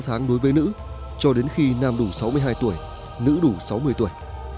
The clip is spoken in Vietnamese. sáu tháng đối với nữ cho đến khi nam đủ sáu mươi hai tuổi nữ đủ sáu mươi tuổi